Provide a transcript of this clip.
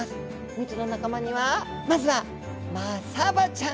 ３つの仲間にはまずはマサバちゃん。